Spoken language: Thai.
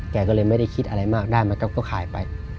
แกก็เลยไม่ได้คิดอะไรมากได้มันก็ขายไป